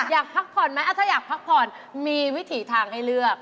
อยากพักผ่อนไหมถ้าอยากพักผ่อนมีวิถีทางให้เลือก